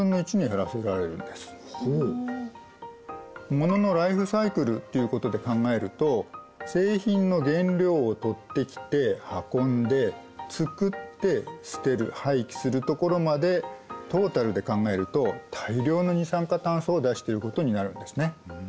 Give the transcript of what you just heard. モノのライフサイクルっていうことで考えると製品の原料を取ってきて運んで作って捨てる廃棄するところまでトータルで考えると大量の二酸化炭素を出していることになるんですね。